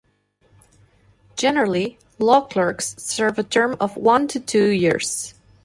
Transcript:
Generally, law clerks serve a term of one to two years.